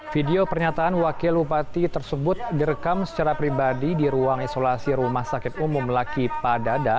video pernyataan wakil bupati tersebut direkam secara pribadi di ruang isolasi rumah sakit umum laki padada